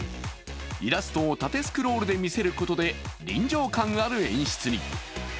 イラストを縦スクロールで見せることで臨場感のある演出に。